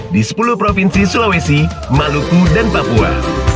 di sepuluh provinsi sulawesi maluku dan papua